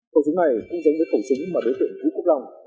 khẩu súng này cũng dành đến khẩu súng mà đối tượng ú cục long